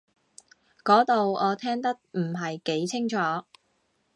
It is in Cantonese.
嗰度我聽得唔係幾清楚